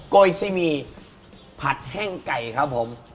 โกยซิมีผัดแห้งไก่ครับผม